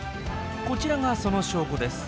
こちらがその証拠です。